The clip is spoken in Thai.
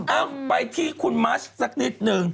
เอ้าไปที่คุณมัชสักนิดนึง